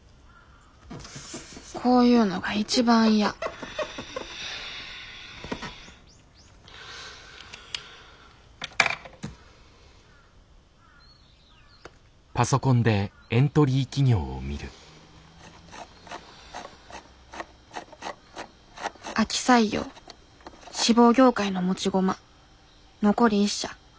こういうのが一番嫌秋採用志望業界の持ち駒残り１社。